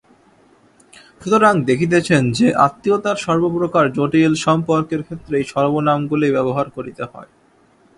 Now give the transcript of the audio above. সুতরাং দেখিতেছেন যে, আত্মীয়তার সর্বপ্রকার জটিল সম্পর্কের ক্ষেত্রে এই সর্বনামগুলি ব্যবহার করিতে হয়।